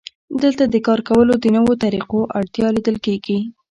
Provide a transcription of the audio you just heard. دلته د کار کولو د نویو طریقو اړتیا لیدل کېږي